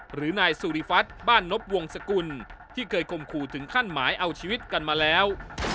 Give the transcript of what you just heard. หรือนายสุริฟัฐบ้านนบวงสกุลที่เคยคมขู่ถึงขั้นหมายเอาชีวิตกันมาแล้ว